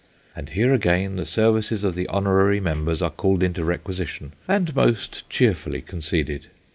And here again the services of the honorary members are called into requisition, and most cheerfully conceded.